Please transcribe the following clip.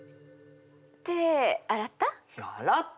手洗った？